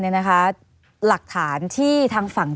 ไม่มีครับไม่มีครับ